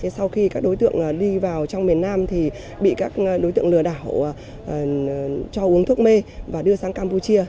sau khi các đối tượng đi vào trong miền nam thì bị các đối tượng lừa đảo cho uống thuốc mê và đưa sang campuchia